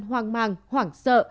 hoang mang hoảng sợ